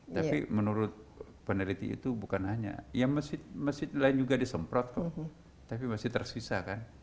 tapi menurut peneliti itu bukan hanya ya masjid masjid lain juga disemprot kok tapi masih tersisa kan